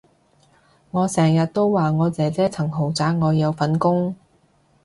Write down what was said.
我成日都話我姐姐層豪宅我有份供